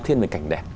thiên về cảnh đẹp